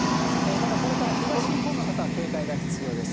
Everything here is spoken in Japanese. ただ、これから東日本の方は警戒が必要です。